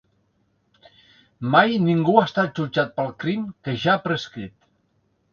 Mai ningú ha estat jutjat pel crim, que ja ha prescrit.